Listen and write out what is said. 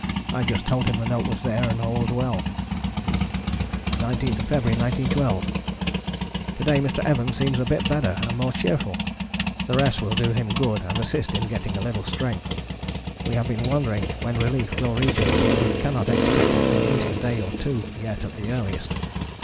I just told him the note was there and all was well. 19th February 1912. To day Mr. Evans seems a bit better and more cheerful, the rest will do him good and assist in getting a little strength. We have been wondering when relief will reach us, but we cannot expect it for at least a day or two yet at the earliest.